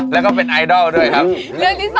แล้วก็เป็นไอดอลด้วยครับ